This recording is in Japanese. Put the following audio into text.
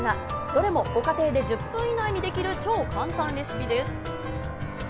どれもご家庭で１０分以内にできる超簡単レシピです。